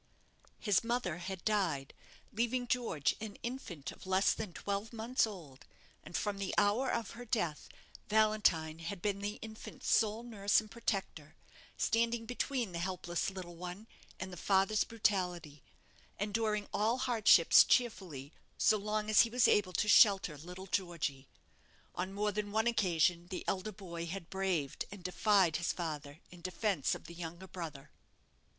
His mother had died, leaving George an infant of less than twelve months old; and from the hour of her death, Valentine had been the infant's sole nurse and protector; standing between the helpless little one and the father's brutality; enduring all hardships cheerfully, so long as he was able to shelter little Georgy. On more than one occasion, the elder boy had braved and defied his father in defence of the younger brother.